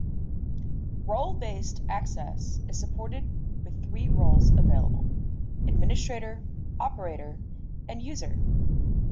Role-based access is supported with three roles available: Administrator, Operator and User.